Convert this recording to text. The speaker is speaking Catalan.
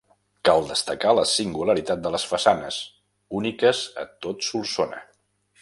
Cal destacar la singularitat de les façanes, úniques a tot Solsona.